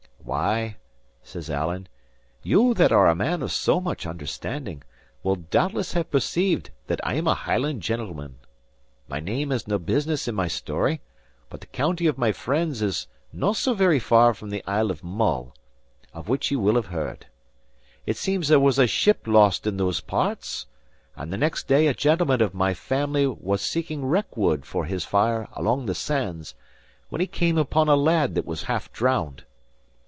"Why," says Alan, "you that are a man of so much understanding, will doubtless have perceived that I am a Hieland gentleman. My name has nae business in my story; but the county of my friends is no very far from the Isle of Mull, of which ye will have heard. It seems there was a ship lost in those parts; and the next day a gentleman of my family was seeking wreck wood for his fire along the sands, when he came upon a lad that was half drowned.